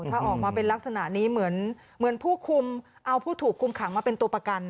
ถ้าออกมาเป็นลักษณะนี้เหมือนผู้คุมเอาผู้ถูกคุมขังมาเป็นตัวประกัน